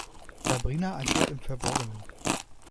Sabrina agiert im Verborgenen.